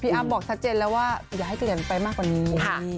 อ้ำบอกชัดเจนแล้วว่าอย่าให้เปลี่ยนไปมากกว่านี้